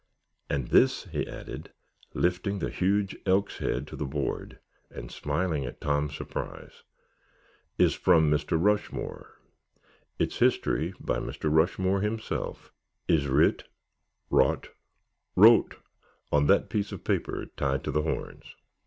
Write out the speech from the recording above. "And this," he added, lifting the huge elk's head to the board and smiling at Tom's surprise, "is from Mr. Rushmore; its history, by Mr. Rushmore himself, is writ, wrot, wrote—on that piece of paper tied to the horns."